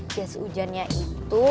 jas ujannya itu